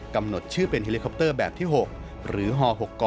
กำหนดชื่อเป็นเฮลิคอปเตอร์แบบที่๖หรือฮ๖ก